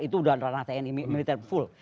itu sudah ranah tni militer full